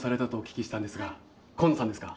香野さんですか？